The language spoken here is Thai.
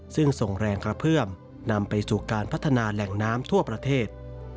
ซึ่งส่งแรงกระเพื่อมนำไปสู่การพัฒนาแหล่งน้ำทั่วประเทศ